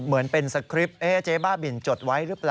เหมือนเป็นสคริปต์เจ๊บ้าบินจดไว้หรือเปล่า